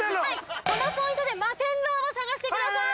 このポイントで摩天楼を探してください。